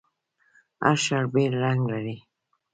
هر ښار بیل رنګ لري.